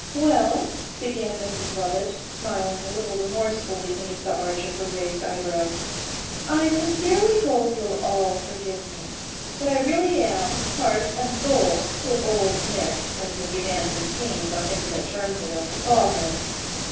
'Well,' began Mrs Lovat, smiling a little remorsefully beneath the arch of her raised eyebrows, 'I sincerely hope you'll all forgive me; but I really am, heart and soul, with Old Nick, as Mr Danton seems on intimate terms enough to call him.